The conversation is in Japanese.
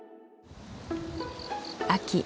秋